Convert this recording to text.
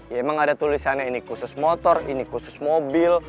ya emang ada tulisannya ini khusus motor ini khusus mobil